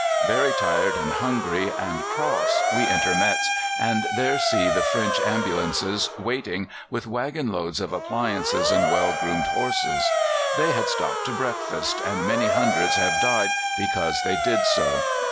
Very tired and hungry and cross we enter Metz, and there see the French ambulances waiting with waggon loads of appliances and well groomed horses. They had stopped to breakfast, and many hundreds have died because they did so.